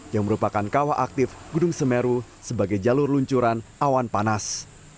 yang merupakan kawah aktif gunung semeru sebagai jalur luncuran awan panas